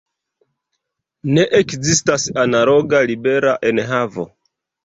Ne ekzistas analoga libera enhavo.